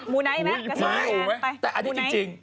ไม่รู้ไหมแต่อันนี้จริง